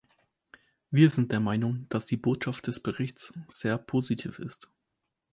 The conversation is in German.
Wir sind der Meinung, dass die Botschaft des Berichts sehr positiv ist.